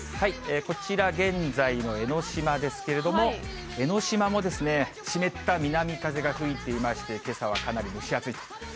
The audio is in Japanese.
こちら、現在の江の島ですけれども、江の島も湿った南風が吹いていまして、けさはかなり蒸し暑いと。